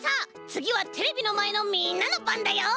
つぎはテレビのまえのみんなのばんだよ！